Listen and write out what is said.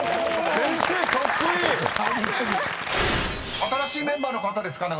［新しいメンバーの方ですか？］